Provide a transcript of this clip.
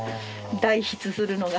代筆するのが。